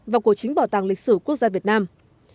và của chính bảo tàng lịch sử quốc gia việt nam